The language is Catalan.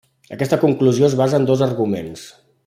Aquesta conclusió es basa en dos arguments.